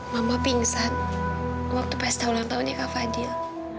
mama pingsan waktu pesta ulang tahunnya kak fadil